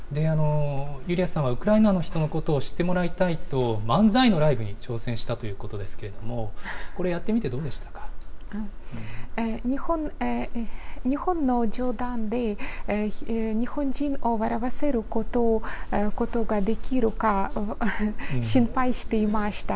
ユリヤさんはウクライナの人のことを知ってもらいたいと、漫才のライブに挑戦したということですけれども、これ、やってみてどう日本の冗談で、日本人を笑わせることができるか、心配していました。